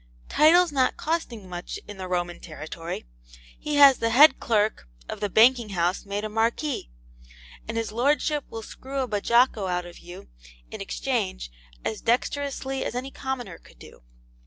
Titles not costing much in the Roman territory, he has had the head clerk of the banking house made a Marquis, and his Lordship will screw a BAJOCCO out of you in exchange as dexterously as any commoner could do.